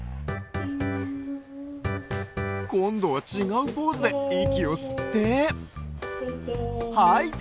こんどはちがうポーズでいきをすってはいて。